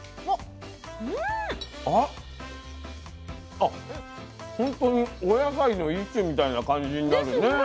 あほんとにお野菜の一種みたいな感じになるね。ですね。